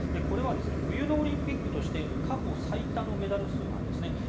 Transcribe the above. これは冬のオリンピックとして過去最多のメダル数なんですね。